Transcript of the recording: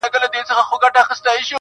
ټول جهان ورته تیاره سو لاندي باندي!.